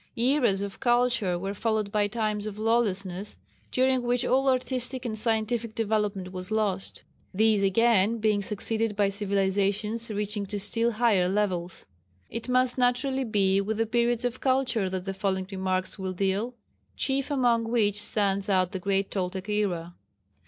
Eras of culture were followed by times of lawlessness, during which all artistic and scientific development was lost, these again being succeeded by civilizations reaching to still higher levels. It must naturally be with the periods of culture that the following remarks will deal, chief among which stands out the great Toltec era.